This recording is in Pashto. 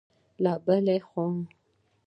له بلې خوا